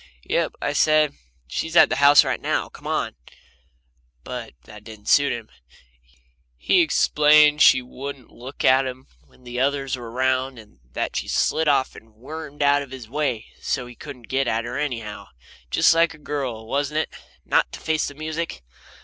"Yep," I said. "She's up at the house now. Come on." But that didn't suit him. He explained that she wouldn't look at him when the others were around, and that she slid off and wormed out of his way, so he couldn't get at her, anyhow. Just like a girl, wasn't it not to face the music?